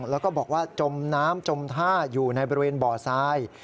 แล้วก็บอกว่าจมน้ำจมท่าอยู่ในบริเวณบ่อทราย